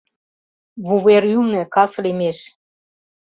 Вувер ӱлнӧ, кас лиймеш